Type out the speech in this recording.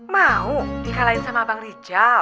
mau di anglein sama abang rijal